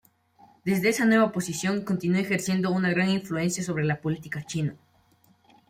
Desde esa nueva posición continuó ejerciendo una gran influencia sobre la política china.